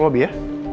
masuk lobi ya